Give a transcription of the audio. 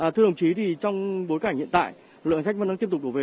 thưa đồng chí thì trong bối cảnh hiện tại lượng khách vẫn đang tiếp tục đổ về